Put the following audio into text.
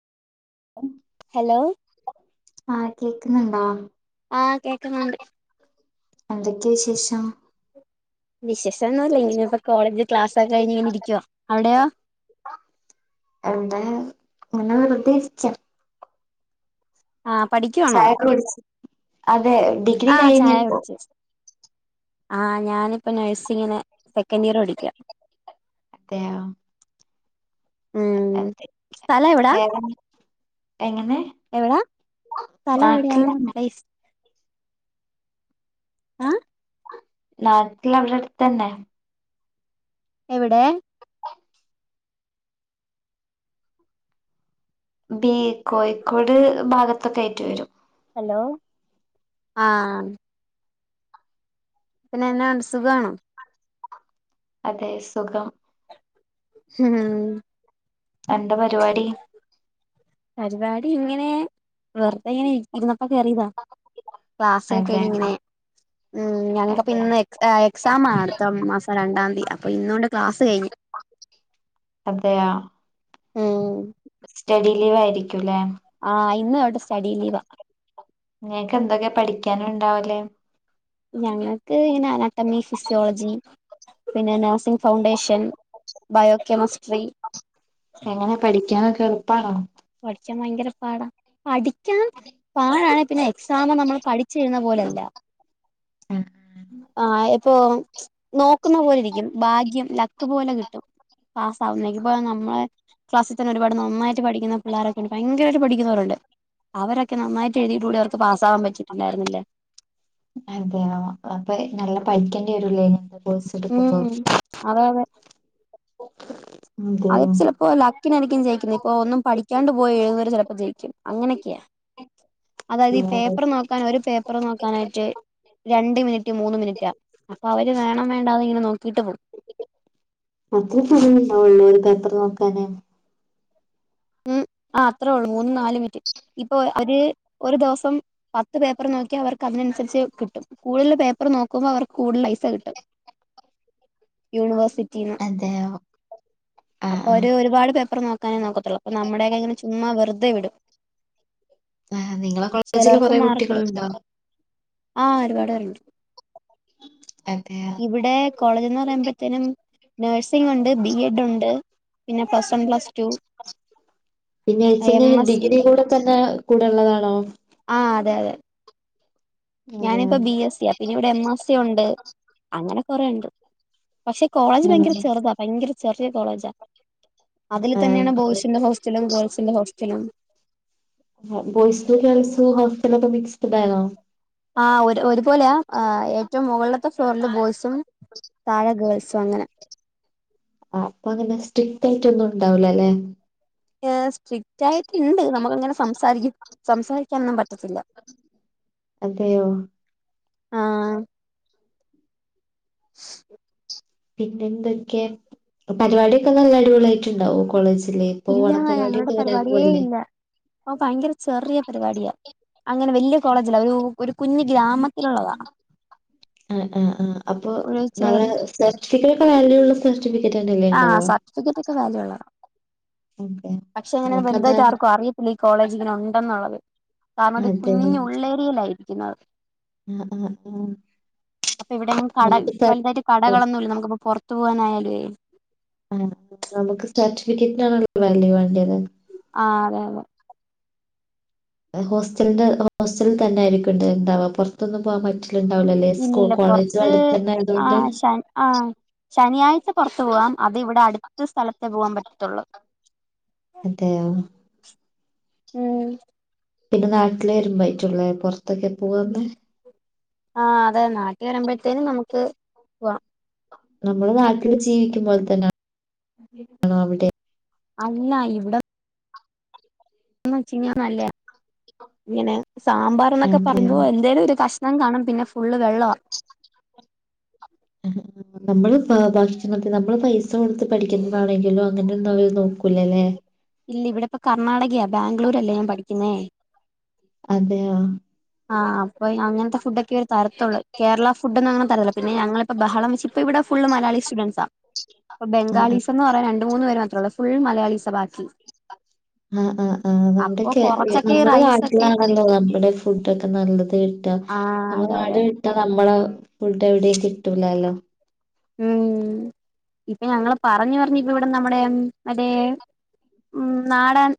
[inaudible] hello ആഹ് കേക്കുന്നുണ്ടോ ആ കേക്കുന്നുണ്ട് എന്തൊക്കെയാ [inaudible] വിശസംന്നുമല്ല ഇങ്ങന ഇപ്പോ കോളേജില് ക്ലാസ് ഒക്കെ കഴിഞ്ഞ്ഇരിക്കുവ അവിടെയോ എന്താ [unintelligible] ആ പഠിക്കുവാണോ ചായൊക്കെ കുടിച്ച് അതെ ഡിഗ്രി ആ ചായ കഴിഞ്ഞിപ്പോ കുടിച്ചു ഏച്ചി ആഹ് ഞാനിപ്പോ നഴ്സിങ്ങിൻ സെക്കൻഡ് ഇയർ പഠിക്ക അതെ യോ ഉം സ്ഥല എവിടാ വേറെ എങ്ങനെ എവിടാ സ്ഥലം എവിടെയാ നാട്ടിലന്നെ പ്ലേസ് [unintelligible] നാട്ടില അവടെ അടുത്ത തന്നെ എവിടെ ബി കോഴിക്കോട് ഭാഗത്തൊക്കെ ആയിട്ട് വരും ഹലോ ആ പിന്നെ എന്നാ [unintelligible] സുഖാണോ അതെ സുഖം ഹ് ഹ് എന്താ പരിപാടി പരിപാടി ഇങ്ങനെ വെറുതെ ഇങ്ങനെ ഇരുന്നപ്പ കേറിതാ ക്ലാസ്ക്കെ അതെ കഴിഞ്ഞ്ങ്ങനെ ഉം ഞങ്ങൾക്ക് അതെ പിന്നിന്ന് എ എക്സാ അടുത്തം മാ- രണ്ടാതി അപ്പൊ ഇന്നൊണ്ട് അതെയാ ഉം സ്റ്റഡി ലീവ് ആയിരിക്കുല്ലേ ആഹ് ഇന്ന് തൊട്ട് സ്റ്റഡി ലീവാ ങ്ങക്ക് എന്തൊക്കെ പഠിക്കാനുണ്ടാവല് ഞങ്ങൾക്ക് ങ്ങനെ അനാട്ടമി ഫിസിയോളജി പിന്നെ നഴ്സിംഗ് ഫൗണ്ടേഷൻ ബയോകെമിസ്ട്രി പ്പ ക്കാൻ ഭയങ്കര പാടാ പഠിക്കാൻ പാടാണ് പിന്നെ എക്സാം നമ്മള് പഠിച്ചെഴുന്ന പോലല്ല ആ പ്പൊ നോക്കുന്ന പോലെ ഇരിക്കും ഭാഗ്യം ലക്ക് പോലെ കിട്ടും പാസ് ആവുന്നെങ്കി നമ്മളെ ക്ലാസ്സി തന്നെ ഒരുപാ നന്നായിട്ട് പഠിക്കുന്ന പിള്ളോരൊക്കെണ്ട് ഭയങ്കരായിട്ട് പഠിക്കുന്നവരുണ്ട് അവരൊക്കെ നന്നായിട്ട് എഴുതിയിട്ടുണ്ടേ അവർക്ക് പാസ്സാവാൻ പറ്റിട്ടുണ്ടായിരുന്നില്ലേ അതെയോ അപ്പൊ നല്ല പഠിക്കേണ്ടി വരുലേ കോഴ്സെടുക്കുമ്പോ ഉം അതെ അതെ അത് ചിലപ്പോ ലക്കിനായിരിക്കും ജയിക്കുന്നെ ഇപ്പൊ ഒന്നും പഠിക്കാണ്ട് പോയി എഴുന്നവര് ചിലപ്പോ ജയിക്കും അങ്ങനെയൊക്കെയാ അതായത് ഈ പേപ്പർ അതെ നോക്കാൻ ഒരു പേപ്പറ് നോക്കാനായിട്ട് രണ്ട് മിനിറ്റ് മൂന്ന് മിനിറ്റാ അപ്പൊ അവര് വേണം വേണ്ടാ ഇങ്ങനെ നോക്കിട്ട് പോകും അത്ര പണി ഉണ്ടാവുള്ളൂ [unintelligible] നോക്കാനാ [inaudible] ആഹ് അത്രേ ഉള്ളൂ മൂന്നും നാല് മിനിറ്റ് ഇപ്പൊ ഒരു ഒരു ദിവസം പത്ത് പേപ്പർ നോക്കിയ അവർക്ക് അതിനനുസരിച്ച് കിട്ടും കൂടുതൽ പേപ്പർ നോക്കുമ്പോ അവർ കൂടുതൽ പൈസ കിട്ടും [unintelligible] യൂണിവേർഴ്സിറ്റീന്ന് അതെയോ ആ അപ്പൊ ആ ഒരു ഒരുപാട് പേപ്പർ നോക്കാനേ നോക്കത്തുള്ളൂ അപ്പൊ നമ്മുടെയൊകങ്ങനെ ചുമ്മാ വെറുതെ വിടും ആ നിങ്ങളെ കോളേജില് ചിലൊർക്ക് കൊറെ മാർക്കിടും കുട്ടികളുണ്ടോ ആഹ് ഒരുപാട് പേരുണ്ട് അതെയാ ഇവിടെ കോളേജ്ന്ന് പറയുമ്പത്തേനും നഴ്സിംഗ് ഉണ്ട് ബി എഡ് ഉണ്ട് പിന്നെ പ്ലസ് വൺ പ്ലസ് ടു വും പിന്നെച്ച്ങ്ങ് ഡിഗ്രി കൂടെ തന്നെ കൂടെ ഉള്ളതാണോ ആഹ് അതെ അതെ ഞാനിപ്പോ ബി അതെ എസ് സി യാ പിന്നെ ഇവിടെ എം എസ് സി ഉണ്ട് അങ്ങനെ കൊറെണ്ട് പക്ഷെ കോളേജ് ഭയങ്കര ചെറുതാ ഭയങ്കര ചെറിയ കോളേജാ അതില് ആ തന്നെയാണ് ബോയ്സിൻ്റെ ഹോസ്റ്റലും ഗേൾസിന്റെ ഹോസ്റ്റലും ബോയിസും ഗേൾസും ഹോസ്റ്റലൊക്കെ ഒക്കെ മിക്സ്ടായിരുന്നോ ആഹ് ഒരു ഒരുപോലെയാ ഏറ്റവും മുകളിലത്തെ ഫ്ലോറില് ബോയ്സും താഴെ ഗേൾസു അങ്ങനെ ആഹ് അപ്പൊങ്ങനെ സ്ട്രിറ്റായിട്ട് ഒന്നു ഉണ്ടാവൂലല്ലെ ന്നെ സ്ട്രിക്റ്റ് ആയിട്ടുണ്ട് നമുക്ക്ങ്ങനെ സംസാരിക്കും സംസാരിക്കാനൊന്നും പറ്റത്തില്ല അതെയോ ആഹ് [inaudible] പിന്നെന്തൊക്കെ പരിപാടിയൊക്കെ നല്ല അടിപൊളി ആയിട്ടുണ്ടാവോ കോളേജ് നി ഇപ്പോ ഇല്ല ഞങ്ങളുടെ ഒണപരിപാടിയൊക്കെ വരാൻ പരിപാടിയേ പോവല്ലേ ഇല്ല ഓ ഭയങ്കര ചെറിയ പരിപാടിയാ അങ്ങനെ വലിയ കോളേജല്ല ഒരു ഒരു കുഞ്ഞഞ് ഗ്രാമത്തിലുള്ളതാ ആ ആ ആ അപ്പൊ ഒരു നല്ല സർട്ടിഫിക്കല ഒക്കെ വാല്യൂ ഉള്ള സ ആഹ സർട്ടിഫിക്കറ്റ് ഒക്കെ വാല്യ ഉള്ളതാണ് ഓക്കെ പക്ഷെ എങ്ങനെ വലുതായിട്ട് നമുക്കതാണ് ആർക്കും അറയിത്തില്ല ഈ കോളേജ ജീവന ഉണ്ടെന്നുള്ളത് താമതി അതെ കുഞ്ഞുുള്ളേരിയിലായിരിക്കുന്നത് ആ ആ ആ അപ്പൊ ഇവിടെയും കട നമുക്ക് സ വലുതായിട്ട് കടകളൊന്നുമല്ല നമുക്ക്ിപ്പോൊറത്ത് തവാനായാലേ ആ നമുക്ക് സർട്ടിഫിക്കറ്റിനാണല്ല വല്ല വേണ്ടത് ആ അതെ അതെ ഹോസ്റ്റലിന്റെ ഹോസ്റ്റല തന്നെ ആയിരിക്കും ഇണ്ട് ഇണ്ടാവാ പുറത്തൊന്നും പോവാാൻ പറ്റില്ല ഇല്ലല്ല പൊറത്ത് ആയതുകൊണ്ട് ആഹ് ശ ആഹ ശനിയാഴ്ച പുറത്തു പോവാം അത് ഇവിടെ അടുത്ത സ്ഥലത്തെ പോകൻ പറ്റത്തുള്ളൂ അതെയ ഉം പിന്നെ നാട്ടില വരുമ്പോായിറ്റുള്ളേ പുൊറത്തൊക്കെ പോവന്ന് ആഹ അതെ നാട്ടിൽ വരുമ്പോഴത്തേനും നമുക്ക് പോവാം നമ്മുടെ നാട്ടില് ജീവിക്കുമ്പോലെ തന്നെ അ അടെ അല്ല ഇവിടെ ന്ന് വെച്ച കാ നല്ല ഇങ്ങനെ സാമ്പാർന്നൊക്കെ അതെ പറയുമ്പോ എന്തേലും ഒരു കഷ ഞാൻ കാണാം പിന്നെ ഫുള്ള് വെള്ളമാണ് നമ്മള് ഭക്ഷിക്കണ നമ്മള് പൈസ കൊടുത്ത് പഠിക്കുന്നതാണെങ്കിലോ അങ്ങനെ ഒ അവര് നോക്ക സ്ക്കലല്ല ഇല്ല ഇവിടെ ഇപ്പ കർണ്ണാടകയാ ബാംഗ്ലൂര അല്ലേ ഞാൻ പഠിക്കുന്നേ അതെയ ആഹ് അൊ അങ്ങത്തെ ഫുഡൊക്കെ അവ തരത്തുള്ളൂ കേരള ഫുഡ്ന്ന അങ്ങനെ തരല്ല പിന്നെ ഞങ്ങിപ്പപ്പോ ബഹളം വെച്ച് ഇപ്പ ഇവിടെ ഫുൾ മലയാളി സ്റ്റുഡൻറ്സ അപ്പൊ ആ ബംഗാീസ് എ പറയാ രണ്ട മൂന്ന പേര് മാത്രമുള്ളൂ ഫുൾ മലയാളി സബാ ആ് ആ് ആ നമ്മുടെ അപ്പൊ കൊറച്ചൊക്കെ ഈ നമ്മുടെ റൈസൊക്കെ നാട്ടിലാണല്ലോ നമ്മുടെ ഫുൊക്കെ നല്ലത് കിട്ട ആഹ് നമ്മ അതെ അതെ ന നമ്മള ഫൾട്ട് എവിടെ കിട്ടൂലല്ലോ ഉം ഇപ്പൊ ഞങ്ങള്ൾ പറഞ്ഞു പറഞ്ഞ ഇപ്പ ഇവിടെ നമ്മുടെ മറ്റേ ഉ നാടൻ